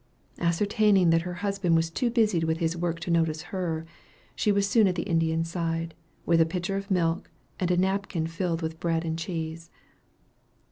Ascertaining that her husband was too busied with his work to notice her, she was soon at the Indian's side, with a pitcher of milk and a napkin filled with bread and cheese.